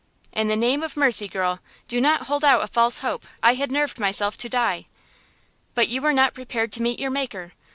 "In the name of mercy, girl, do not hold out a false hope I had nerved myself to die!" "But you were not prepared to meet your Maker!